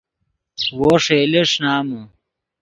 وو ݰئیلے ݰینامے